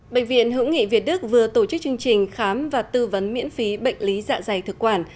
bệnh viện hữu nghị việt đức vừa tổ chức chương trình khám và tư vấn miễn phí bệnh lý dạ dày thực quản